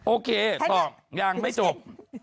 โอเคตอบยังไม่จบ